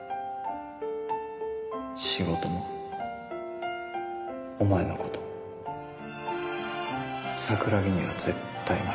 仕事もお前の事も桜木には絶対負けない。